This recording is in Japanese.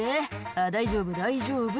「あぁ大丈夫大丈夫」